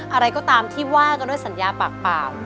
อะไรก็ตามที่ว่ากันด้วยสัญญาปากเปล่า